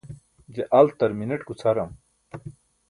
je altar mineṭ gucʰaram